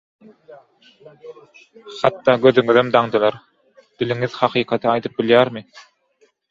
Hatda gözüňizem daňdylar, diliňiz hakykaty aýdyp bilýärmi?